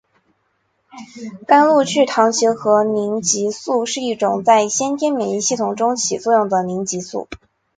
甘露聚糖结合凝集素是一种在先天免疫系统中起作用的凝集素。